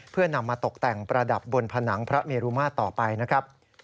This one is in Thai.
เพื่อนำมาตกแต่งประดับบนผนังพระเมรุมาตรต่อไปนะครับ